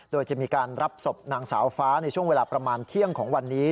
โดยจะมีการรับศพนางสาวฟ้าในช่วงเวลาประมาณเที่ยงของวันนี้